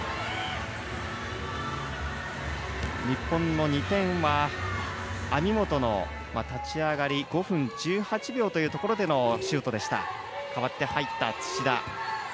日本の２点は、網本の立ち上がり５分１８秒というところでのシュートでした。